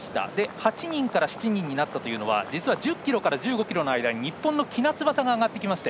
８人から７人になったのは実は１０ｋｍから１５ｋｍの間に日本の喜納翼が上がってきまして